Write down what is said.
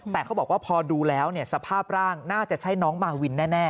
แต่เขาบอกว่าพอดูแล้วสภาพร่างน่าจะใช่น้องมาวินแน่